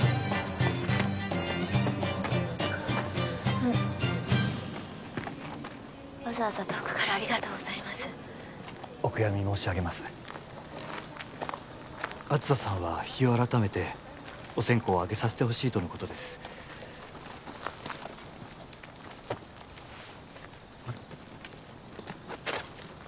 あのわざわざ遠くからありがとうございますお悔やみ申し上げます梓さんは日を改めてお線香をあげさせてほしいとのことですあれ？